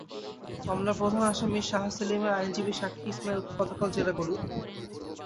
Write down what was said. মামলার প্রধান আসামি শাহ সেলিমের আইনজীবী সাক্ষী ইসমাঈলকে গতকাল জেরা করেন।